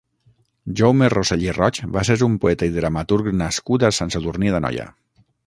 Jaume Rosell i Roig va ser un poeta i dramaturg nascut a Sant Sadurní d'Anoia.